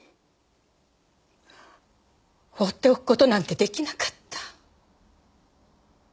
放っておく事なんて出来なかった。